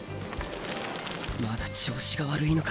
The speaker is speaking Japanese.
まだ調子が悪いのか。